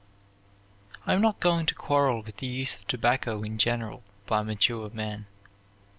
I am not going to quarrel with the use of tobacco in general by mature men.